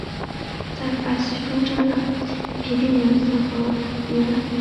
在法西终战的比利牛斯和约。